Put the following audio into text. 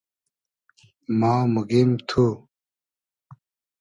ما موگیم تو